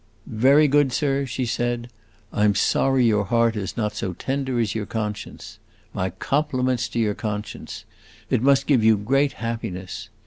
"Very good, sir," she said. "I 'm sorry your heart is not so tender as your conscience. My compliments to your conscience! It must give you great happiness.